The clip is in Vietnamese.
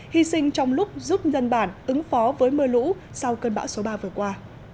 hy sinh trong lúc giúp dân bản ứng phó với mưa lũ sau cơn bão số ba vừa qua